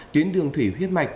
tuyến đường thủy huyết mạch